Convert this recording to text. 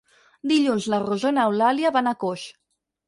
Dilluns na Rosó i n'Eulàlia van a Coix.